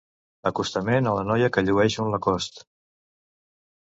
Acostament a la noia que llueix un Lacoste.